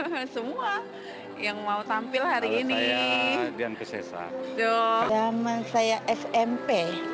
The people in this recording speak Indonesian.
hai semua yang mau tampil hari ini dan kecesa zaman saya smp